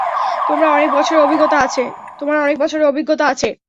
তোমার অনেক বছরের অভিজ্ঞতা আছে।